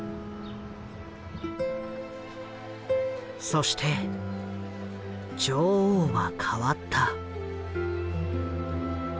そして女王は変わった。